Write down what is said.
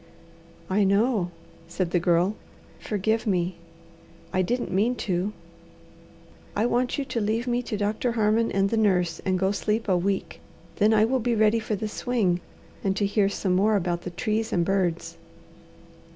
"I know," said the Girl. "Forgive me. I didn't mean to. I want you to leave me to Doctor Harmon and the nurse and go sleep a week. Then I will be ready for the swing, and to hear some more about the trees and birds."